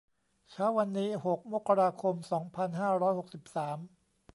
เช้าวันนี้ หก มกราคม สองพันห้าร้อยหกสิบสาม